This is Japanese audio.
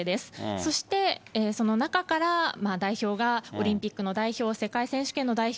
そしてその中からオリンピックの代表世界選手権の代表